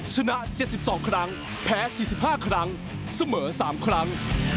ชนะเจ็ดสิบสองครั้งแพ้สี่สิบห้าครั้งเสมอสามครั้ง